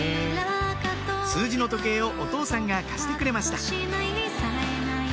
数字の時計をお父さんが貸してくれました